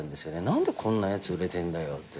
何でこんなやつ売れてんだよって。